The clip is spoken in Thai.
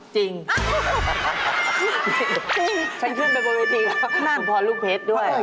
จริงจริงเจอผัวลูกเพชร